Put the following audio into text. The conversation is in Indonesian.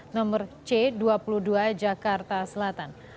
nomor c dua puluh dua jakarta selatan